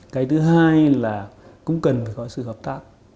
cái thứ hai là cũng cần phải có sự hợp tác